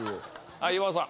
はい岩尾さん。